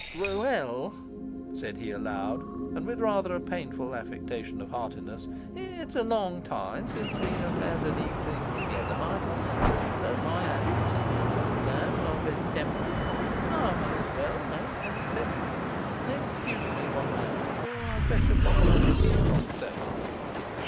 'Well,' said he aloud, and with rather a painful affectation of heartiness, 'it's long since we have had an evening together, Michael; and though my habits (as you know) are very temperate, I may as well make an exception. Excuse me one moment till I fetch a bottle of whisky from the cellar.